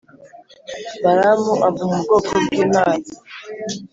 Baramu avuma ubwoko bw’imana